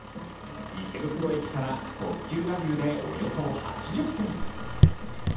池袋駅から特急ラビューでおよそ８０分。